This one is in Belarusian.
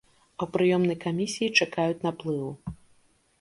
А ў прыёмнай камісіі чакаюць наплыву.